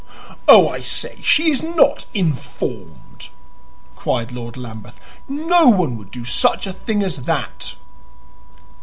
"Oh, I say, she is not 'informed!'" cried Lord Lambeth. "No one would do such a thing as that."